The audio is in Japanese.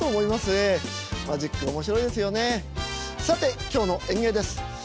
さて今日の演芸です。